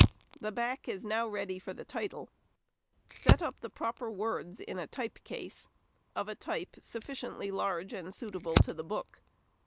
The back is now ready for the title. Set up the proper words in a type case, of a type sufficiently large and suitable to the book.